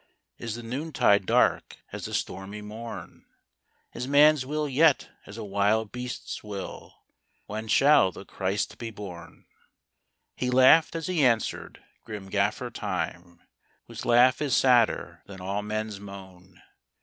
Is the noontide dark as the stormy morn? Is man s will yet as a wild beast s will? When shall the Christ be born? " He laughed as he answered, grim Gaffer Time, Whose laugh is sadder than all men s moan.